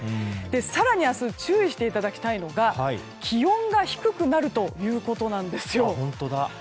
更に明日注意していただきたいのが気温が低くなるということなんです。